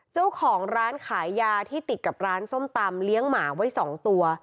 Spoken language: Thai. เจ้าของร้านขายยาที่ติดกับร้านส้มตำเลี้ยงหมาไว้๒ตัว